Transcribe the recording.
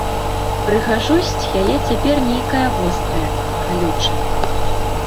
Прыгажосць яе цяпер нейкая вострая, калючая.